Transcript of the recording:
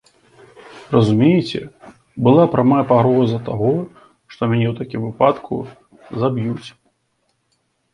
Разумееце, была прамая пагроза таго, што мяне ў такім выпадку заб'юць.